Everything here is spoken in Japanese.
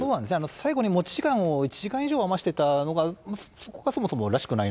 最後に持ち時間を１時間以上余してたのが、そこがそもそもらしくない